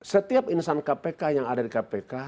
setiap insan kpk yang ada di kpk